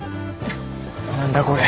何だこれ。